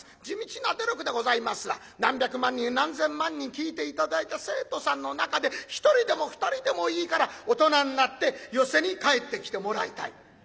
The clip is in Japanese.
地道な努力でございますが何百万人何千万人聴いて頂いた生徒さんの中で１人でも２人でもいいから大人になって寄席に帰ってきてもらいたい。